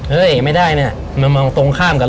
เฮ้ยไม่ได้เนี่ยมันตรงข้ามกัน